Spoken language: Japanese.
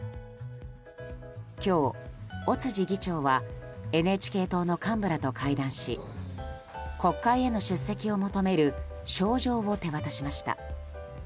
今日、尾辻議長はＮＨＫ党の幹部らと会談し国会への出席を求める招状を手渡しました。